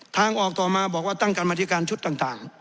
ทางออกต่อมาบอกว่าตั้งกรรมธิการชุดต่าง